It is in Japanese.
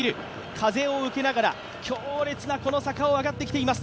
風を受けながら、強烈な坂を上がってきています。